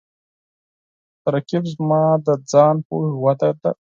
رقیب زما د ځان پوهې وده ده